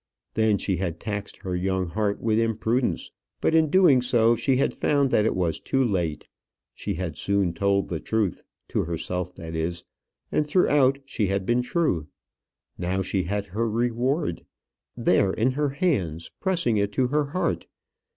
Then she had taxed her young heart with imprudence but in doing so she had found that it was too late. She had soon told the truth to herself that is; and throughout she had been true. Now she had her reward; there in her hands, pressing it to her heart.